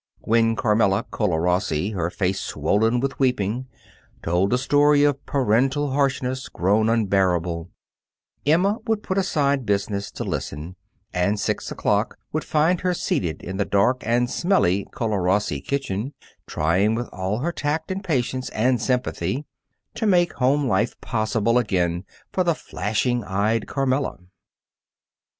When Carmela Colarossi, her face swollen with weeping, told a story of parental harshness grown unbearable, Emma would put aside business to listen, and six o'clock would find her seated in the dark and smelly Colarossi kitchen, trying, with all her tact and patience and sympathy, to make home life possible again for the flashing eyed Carmela.